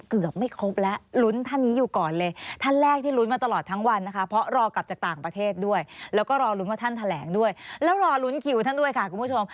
เกือบไม่ครบแล้วลุ้นท่านนี้อยู่ก่อนเลยท่านแรกที่ลุ้นมาตลอดทั้งวันนะคะเพราะรอกลับจากต่างประเทศด้วยแล้วก็รอลุ้นว่าท่านแถลงด้วยแล้วรอลุ้นคิวท่านด้วยค่ะคุณผู้ชม